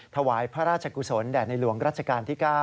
ถวายพระราชกุศลแด่ในหลวงรัชกาลที่๙